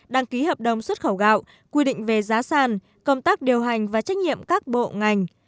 đăng ký hợp đồng xuất khẩu gạo quy định về giá sản công tác điều hành và trách nhiệm các bộ ngành